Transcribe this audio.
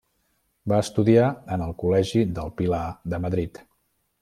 Va estudiar en el Col·legi del Pilar de Madrid.